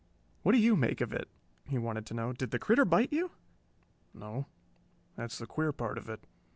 "What do you make of it?" he wanted to know. "Did the critter bite you?" "No. That's the queer part of it.